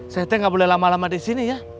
saya teh nggak boleh lama lama di sini ya